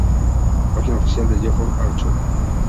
Página oficial de Jeffrey Archer